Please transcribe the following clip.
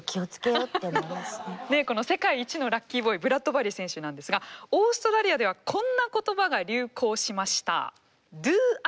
この世界一のラッキーボーイブラッドバリー選手なんですがオーストラリアではこんな言葉が流行しました。